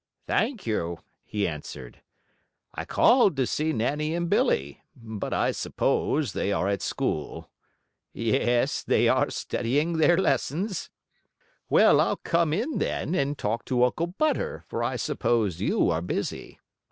"Thank you," he answered. "I called to see Nannie and Billie. But I suppose they are at school." "Yes, they are studying their lessons." "Well, I'll come in then, and talk to Uncle Butter, for I suppose you are busy."